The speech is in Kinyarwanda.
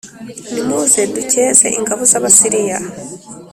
nimuze dukeze ingabo z’ Abasiriya